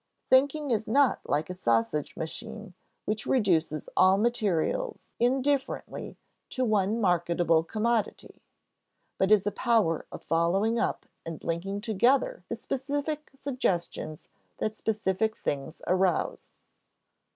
Thinking is not like a sausage machine which reduces all materials indifferently to one marketable commodity, but is a power of following up and linking together the specific suggestions that specific things arouse.